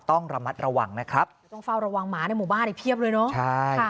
ต้องเฝ้าระวังหมาในหมู่บ้านอีกเพียบเลยเลยเนอะ